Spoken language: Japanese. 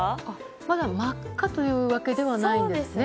まだ真っ赤というわけではないですね。